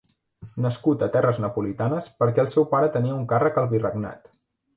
Nascut a terres napolitanes perquè el seu pare tenia un càrrec al virregnat.